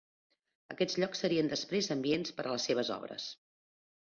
Aquests llocs serien després ambients per a les seves obres.